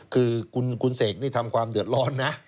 คือคุณเสกนี่ทำความเดือดร้อนนะ